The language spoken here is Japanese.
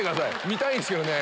見たいんすけどね。